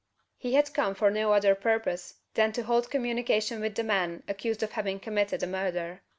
He had come for no other purpose than to hold communication with the man accused of having committed a murder!